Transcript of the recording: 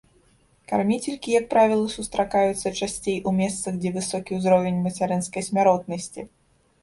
Карміцелькі, як правіла, сустракаюцца часцей у месцах, дзе высокі ўзровень мацярынскай смяротнасці.